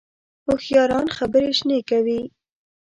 هوښیاران خبرې شنې کوي